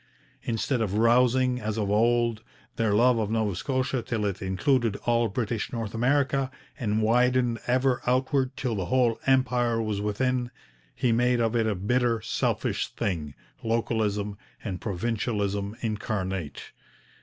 Instead of rousing, as of old, their love of Nova Scotia till it included all British North America and widened ever outward till the whole Empire was within, he made of it a bitter, selfish thing, localism and provincialism incarnate.